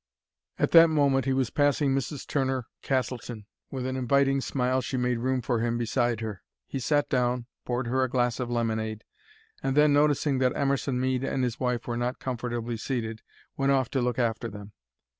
At that moment he was passing Mrs. Turner Castleton. With an inviting smile she made room for him beside her. He sat down, poured her a glass of lemonade, and then, noticing that Emerson Mead and his wife were not comfortably seated, went off to look after them.